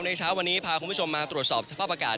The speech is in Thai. เช้าวันนี้พาคุณผู้ชมมาตรวจสอบสภาพอากาศ